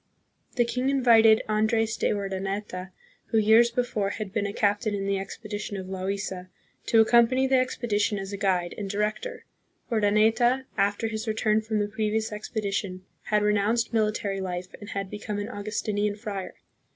The king invited Andre's de Urdaneta, who years before had been a captain in the expedition of Loaisa, to accom pany the expedition as a guide and director. Urdaneta, after his return from the previous expedition, had re nounced military life and had become an Augustinian friar.